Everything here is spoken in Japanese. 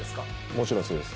もちろんそうです。